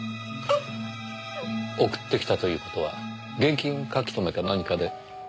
送ってきたという事は現金書留か何かで？